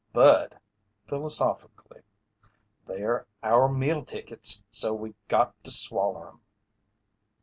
"But," philosophically, "they're our meal tickets, so we got to swaller 'em."